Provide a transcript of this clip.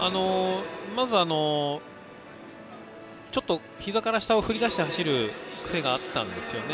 まず、ちょっとひざから下を振り出して走る癖があったんですよね。